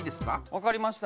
分かりました。